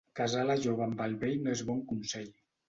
Casar la jove amb el vell no és bon consell.